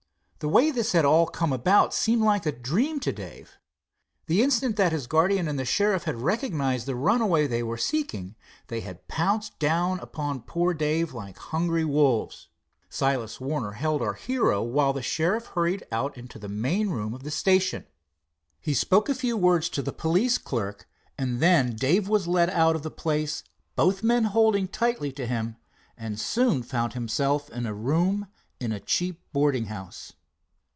The way this had all come about seemed like a dream to Dave. The instant that his guardian and the sheriff had recognized the runaway they were seeking, they had pounced down upon poor Dave like hungry wolves. Silas Warner held our hero while the sheriff hurried out into the main room of the station. He spoke a few words to the police clerk, and then Dave was led out of the place, both men holding tightly to him, and soon found himself in a room in a cheap boarding house.